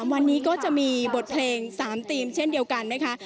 วันนี้ก็จะมีบทเพลง๓ทีมเช่นเดียวกันนะคะ